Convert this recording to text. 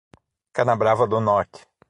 Canabrava do Norte